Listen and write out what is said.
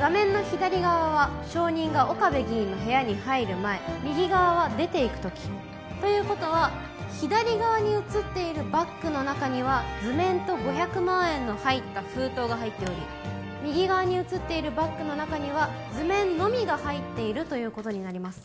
画面の左側は証人が岡部議員の部屋に入る前右側は出ていく時ということは左側に写っているバッグの中には図面と５００万円の入った封筒が入っており右側に写っているバッグの中には図面のみが入っているということになります